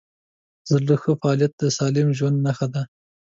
د زړه ښه فعالیت د سالم ژوند نښه ده.